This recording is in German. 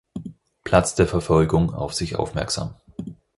Platz der Verfolgung auf sich aufmerksam.